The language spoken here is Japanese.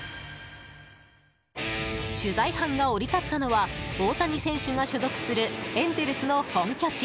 取材班が降り立ったのは大谷選手が所属するエンゼルスの本拠地